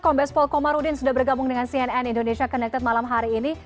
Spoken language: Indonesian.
kombes pol komarudin sudah bergabung dengan cnn indonesia connected malam hari ini